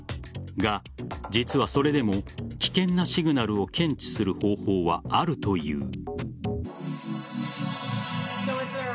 が、実はそれでも危険なシグナルを検知する方法はあるという。